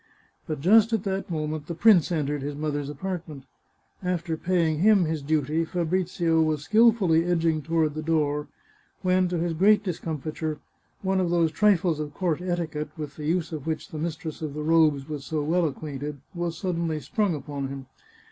But just at that moment the prince entered his mother's apartment. After paying him his duty, Fabrizio was skilfully edging toward the door, when to his g^eat discomfiture, one of those trifles of court etiquette 494 The Chartreuse of Parma with the use of which the mistress of the robes was so well acquainted, was suddenly sprung upon him.